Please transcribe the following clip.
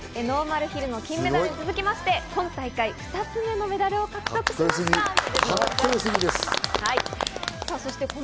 ノーマルヒルの金メダルに続き、今大会２つ目のメダルを獲得しました。